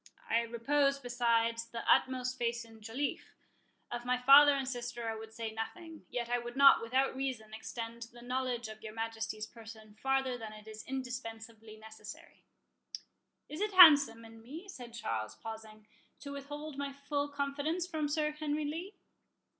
I repose, besides, the utmost faith in Joliffe. Of my father and sister I would say nothing; yet I would not, without reason, extend the knowledge of your Majesty's person farther than it is indispensably necessary." "Is it handsome in me," said Charles, pausing, "to withhold my full confidence from Sir Henry Lee?"